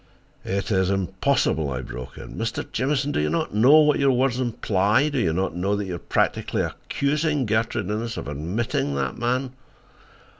"It is impossible," I broke in. "Mr. Jamieson, do you know what your words imply? Do you know that you are practically accusing Gertrude Innes of admitting that man?"